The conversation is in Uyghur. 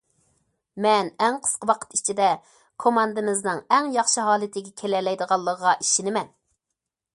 مەن ئەڭ قىسقا ۋاقىت ئىچىدە كوماندىمىزنىڭ ئەڭ ياخشى ھالىتىگە كېلەلەيدىغانلىقىغا ئىشىنىمەن.